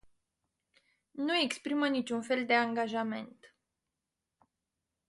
Nu exprimă niciun fel de angajament.